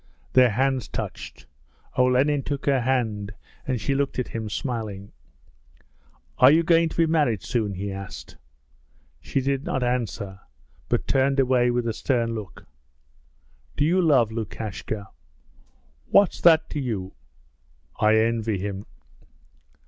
Their hands touched. Olenin took her hand, and she looked at him smiling. 'Are you going to be married soon?' he asked. She did not answer, but turned away with a stern look. 'Do you love Lukashka?' 'What's that to you?' 'I envy him!'